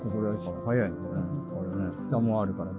下もあるから。